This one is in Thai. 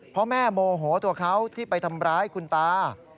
เพราะแม่โมโหตัวเขาที่ไปทำร้ายคุณตา